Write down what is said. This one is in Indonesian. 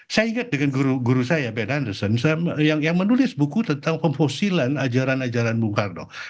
saya ingat dengan guru saya bernanusen yang menulis buku tentang komposilan ajaran ajaran bung karno